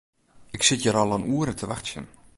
Ik sit hjir al in oere te wachtsjen.